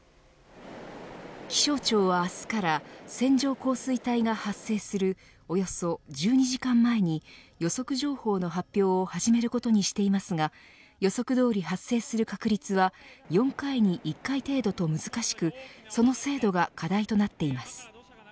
気象庁は明日から線状降水帯が発生するおよそ１２時間前に予測情報の発表を始めることにしていますが予測どおり発生する確率は４回に１回程度と難しくその精度が課題となっています。